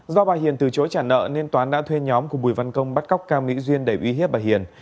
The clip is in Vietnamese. do bà hiền từ chối trả nợ nên toán đã thuê nhóm của bùi văn công bắt cóc cao mỹ duyên để uy hiếp bà hiền